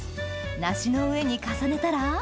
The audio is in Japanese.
梨の上に重ねたら？